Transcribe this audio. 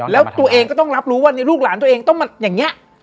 แล้วตัวเองก็ต้องรับรู้ว่าลูกหลานตัวเองต้องมาอย่างนี้